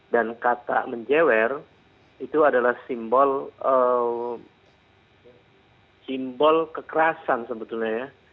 dan kata menjewer itu adalah simbol kekerasan sebetulnya ya